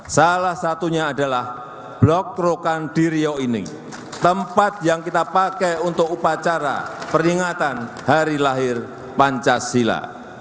salah satunya adalah blok rokan di riau ini tempat yang kita pakai untuk upacara peringatan hari lahir pancasila